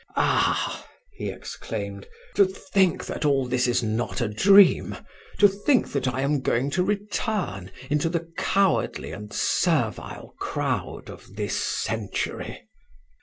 "Ah!" he exclaimed, "To think that all this is not a dream, to think that I am going to return into the cowardly and servile crowd of this century!"